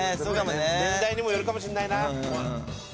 年代にもよるかもしんない。